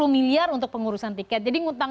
delapan puluh miliar untuk pengurusan tiket